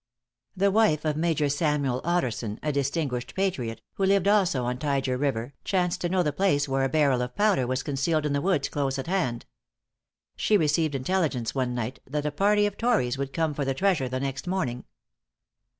The wife of Major Samuel Otterson, a distinguished patriot, who lived also on Tyger River, chanced to know the place where a barrel of powder was concealed in the woods close at hand. She received intelligence one night that a party of tories would come for the treasure the next morning.